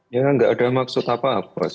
ya tidak ada maksud apa apa mas